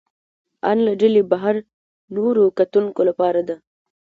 ان له ډلې بهر نورو کتونکو لپاره ده.